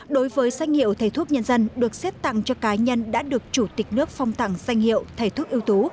đối với danh hiệu thầy thuốc nhân dân được xếp tặng cho cá nhân đã được chủ tịch nước phong tặng danh hiệu thầy thuốc ưu tú